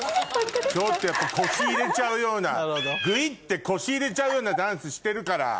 ちょっとやっぱ腰入れちゃうようなグイって腰入れちゃうようなダンスしてるから。